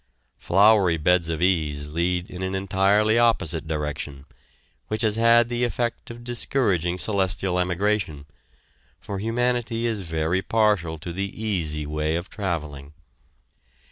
Flowery beds of ease lead in an entirely opposite direction, which has had the effect of discouraging celestial emigration, for humanity is very partial to the easy way of traveling.